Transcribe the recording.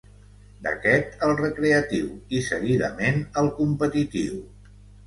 D'aquest, al recreatiu i seguidament, al competitiu.